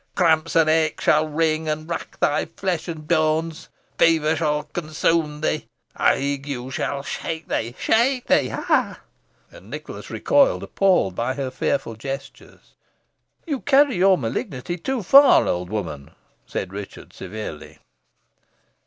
Cramps and aches shall wring and rack thy flesh and bones; fever shall consume thee; ague shake thee shake thee ha!" And Nicholas recoiled, appalled by her fearful gestures. "You carry your malignity too far, old woman," said Richard severely.